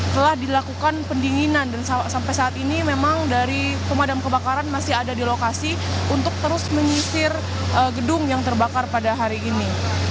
telah dilakukan pendinginan dan sampai saat ini memang dari pemadam kebakaran masih ada di lokasi untuk terus menyisir gedung yang terbakar pada hari ini